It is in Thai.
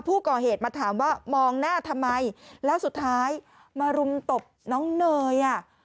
ผู้ก่อเหตุมาถามว่ามองหน้าทำไมแล้วสุดท้ายมารุมตบน้องเนยอ่ะ